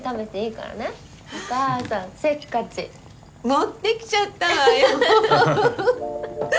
持ってきちゃったわよフフフフ。